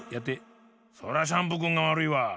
そらシャンプーくんがわるいわ。